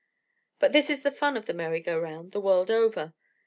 But this is the fun of a merry go round the world over.